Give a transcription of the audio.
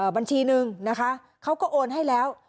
บัญชีหนึ่งนะคะเขาก็โอนให้แล้ว